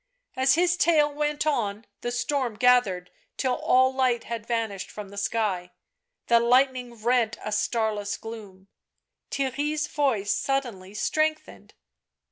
As his tale went on, the storm gathered till all light had vanished from the sky, the lightning rent a starless gloom. Theirry's voice suddenly strengthened.